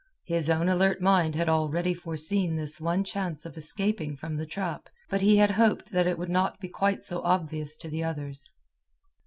His own alert mind had already foreseen this one chance of escaping from the trap, but he had hoped that it would not be quite so obvious to the others.